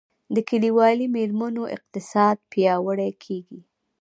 د کلیوالي میرمنو اقتصاد پیاوړی کیږي